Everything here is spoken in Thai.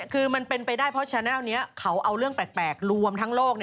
คือมันเป็นไปได้เพราะแชนัลนี้เขาเอาเรื่องแปลกรวมทั้งโลก